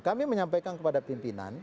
kami menyampaikan kepada pimpinan